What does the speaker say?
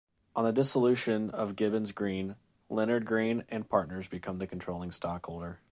On the dissolution of Gibbons, Green; Leonard Green and Partners became the controlling stockholder.